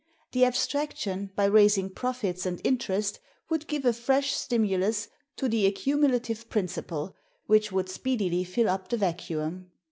The abstraction, by raising profits and interest, would give a fresh stimulus to the accumulative principle, which would speedily fill up the vacuum.